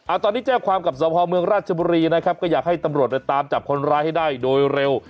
ตอนนี้แจ้งความกับสพเมืองราชบุรีนะครับก็อยากให้ตำรวจในตามจับคนร้ายให้ได้โดยเร็ว